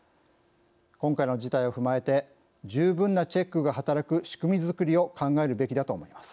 今回の事態を踏まえて十分なチェックが働く仕組み作りを考えるべきだと思います。